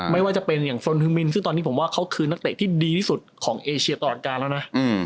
ไม่ว่าจะเป็นอย่างเฟิร์นฮึมินซึ่งตอนนี้ผมว่าเขาคือนักเตะที่ดีที่สุดของเอเชียตลอดการแล้วนะ